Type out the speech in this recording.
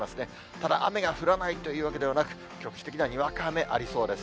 ただ、雨が降らないというわけではなく、局地的なにわか雨ありそうです。